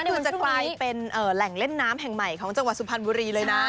มันจะกลายเป็นแหล่งเล่นน้ำแห่งใหม่ของจังหวัดสุพรรณบุรีเลยนะ